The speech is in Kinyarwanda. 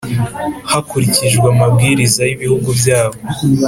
hakurikijwe amabwiriza y'ibihugu byabo,